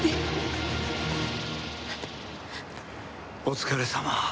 お疲れさま。